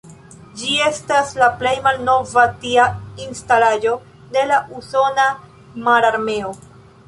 Ĝi estas la plej malnova tia instalaĵo de la usona mararmeo.